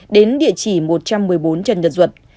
đến địa chỉ một trăm một mươi bốn trần nhật duật